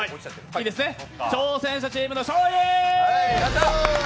挑戦者チームの勝利！